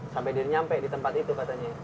sampai dia nyampe di tempat itu katanya